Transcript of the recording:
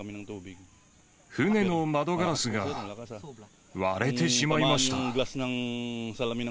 船の窓ガラスが割れてしまいました。